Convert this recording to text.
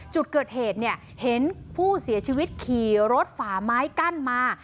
จุดเกิดเหตุเนี่ยเห็นผู้เสียชีวิตขี่รถฝ่าไม้กั้นมา